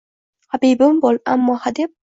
Habibim bo’l, ammo hadeb